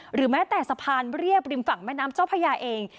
หรือแม้แต่สะพานเรียบริมฝั่งแม่น้ำเจ้าพญาเอง